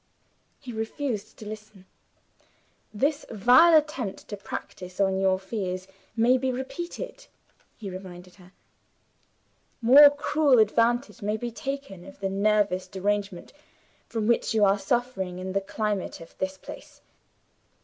He refused to listen. "This vile attempt to practice on your fears may be repeated," he reminded her. "More cruel advantage may be taken of the nervous derangement from which you are suffering in the climate of this place.